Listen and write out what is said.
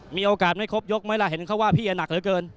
มีโอกาสไม่ครบยกไหมล่ะเห็นเขาว่าพี่หนักเหลือเกิน